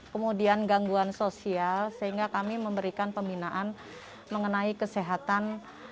kemudian gangguan sosial sehingga kami memberikan pembinaan mengenai kesehatan